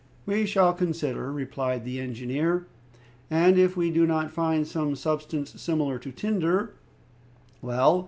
"We shall consider," replied the engineer, "and if we do not find some substance similar to tinder " "Well?"